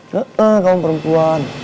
gak lah kamu perempuan